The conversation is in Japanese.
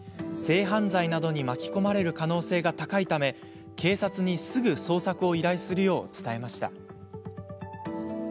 性犯罪などに巻き込まれる可能性が高いため警察にすぐ捜索を依頼するよう伝えました。